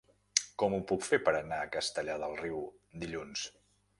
Com ho puc fer per anar a Castellar del Riu dilluns?